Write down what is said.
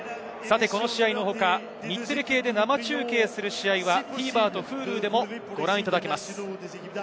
この試合の他、日テレ系で生中継する試合はＴＶｅｒとＨｕｌｕでもご覧いただけます。